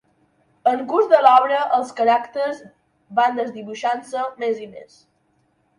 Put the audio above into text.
En el curs de l'obra, els caràcters van desdibuixant-se més i més.